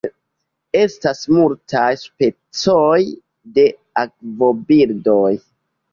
Estas multaj specoj de akvobirdoj.